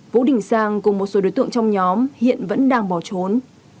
vũ đình sang cùng một số đối tượng trong nhóm hiện vẫn đang bỏ trốn